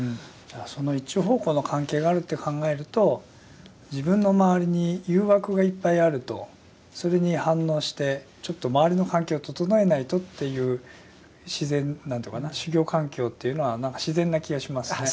その一方向の関係があるって考えると自分の周りに誘惑がいっぱいあるとそれに反応してちょっと周りの環境を整えないとっていう自然なんていうのかな修行環境というのは自然な気がしますね。